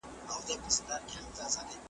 خامخا به یې یو شی وو ځغلولی .